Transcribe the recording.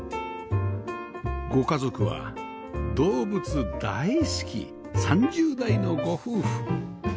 ご家族は動物大好き３０代のご夫婦